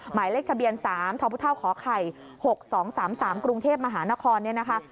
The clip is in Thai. หมายเลขทะเบียนสามทอพุท่าวขอไข่หกสองสามสามกรุงเทพมหานครเนี่ยนะคะ